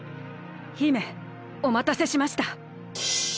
姫おまたせしました。